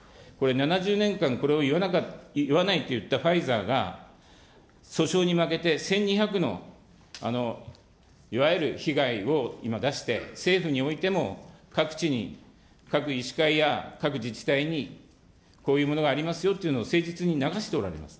７０年間、これをいわないといったファイザーが、訴訟に負けて、１２００のいわゆる被害を今出して、政府においても各地に、各医師会や各自治体にこういうものがありますよというのを、誠実に流しておられます。